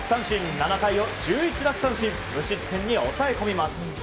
７回を１１奪三振無失点に抑え込みます。